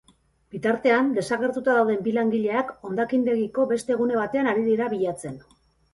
Bitartean, desagertuta dauden bi langileak hondakindegiko beste gune batean ari dira bilatzen.